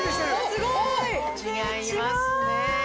すごい！違いますねぇ。